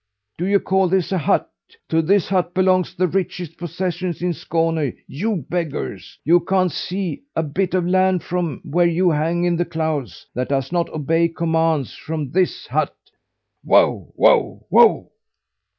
Do you call this a hut? To this hut belong the richest possessions in Skåne, you beggars! You can't see a bit of land, from where you hang in the clouds, that does not obey commands from this hut, wow, wow, wow!"